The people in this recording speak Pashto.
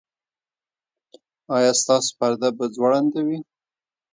ایا ستاسو پرده به ځوړنده وي؟